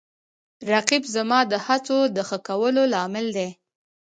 رقیب زما د هڅو د ښه کولو لامل دی